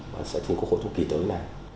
và sẽ thành quốc hội trong kỳ tới này